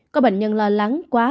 có bệnh nhân lo lắng quá